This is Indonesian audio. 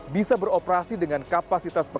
bisa beroperasi dengan kapasitasnya